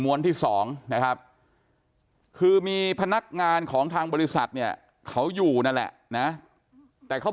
วนที่๒นะครับคือมีพนักงานของทางบริษัทเนี่ยเขาอยู่นั่นแหละนะแต่เขา